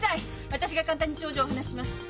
私が簡単に症状をお話しします。